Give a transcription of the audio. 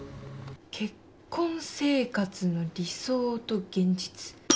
「結婚生活の理想と現実」